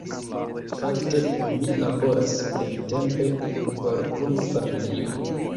Fakte, mi laboras plentempe por unu familio.